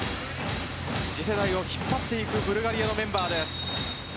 次世代を引っ張っていくブルガリアのメンバーです。